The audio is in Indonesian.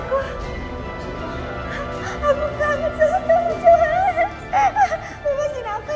aku kaget susah johan